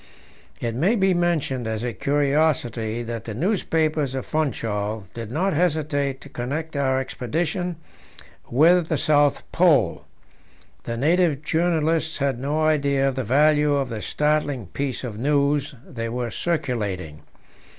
It may be mentioned as a curiosity that the newspapers of Funchal did not hesitate to connect our expedition with the South Pole. The native journalists had no idea of the value of the startling piece of news they were circulating.